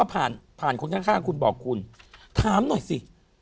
ผ่านผ่านคนข้างคุณบอกคุณถามหน่อยสิ